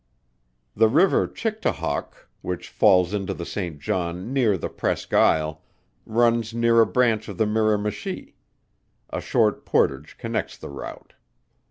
The river Chicktahawk, which falls into the St. John near the Presque Isle, runs near a branch of the Miramichi; a short portage connects the route.